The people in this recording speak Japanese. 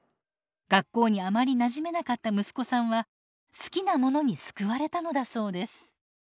学校にあまりなじめなかった息子さんは好きなものに救われたのだそうです。